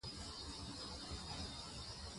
کريم : ناستو کسانو ته وويل